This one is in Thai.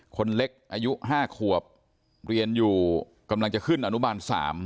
คนเล็กอายุ๕ขวบเรียนอยู่กำลังจะขึ้นอนุบาล๓